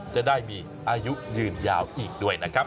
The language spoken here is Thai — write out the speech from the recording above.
จะได้มีอายุยืนยาวอีกด้วยนะครับ